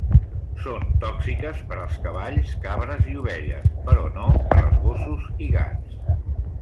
Són tòxiques per als cavalls, cabres i ovelles, però no per als gossos i gats.